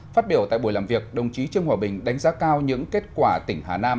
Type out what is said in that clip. phát biểu tại buổi làm việc đồng chí trương hòa bình đánh giá cao những kết quả tỉnh hà nam